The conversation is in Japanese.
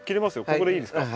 ここでいいですか？